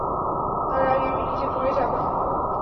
তার আগে আমি নিজে মরে যাবো।